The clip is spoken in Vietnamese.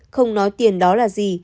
không nói tiền đó là gì